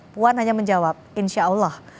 puan hanya menjawab insya allah